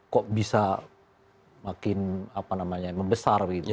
kok bisa makin membesar